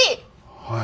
はい。